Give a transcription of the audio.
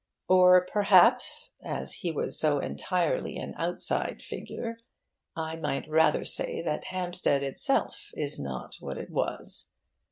Or perhaps, as he was so entirely an outside figure, I might rather say that Hampstead itself is not what it was.